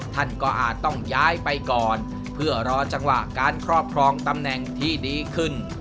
ท่านก็อาจต้องย้ายไปก่อนเพื่อรอจังหวะการครอบครองตำแหน่งที่ดีขึ้น